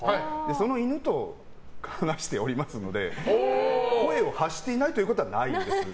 その犬と話しておりますので声を発していないということはないです。